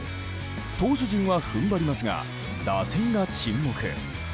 投手陣は踏ん張りますが打線が沈黙。